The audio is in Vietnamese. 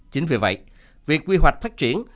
chính vì vậy việc quy hoạch phát triển